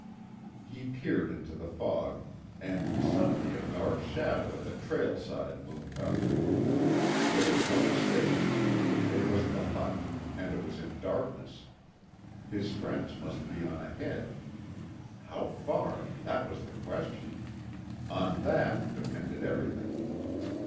He peered into the fog, and suddenly a dark shadow at the trail side loomed up. There was no mistaking it. It was the hut; and it was in darkness. His friends must be on ahead. How far! that was the question. On that depended everything.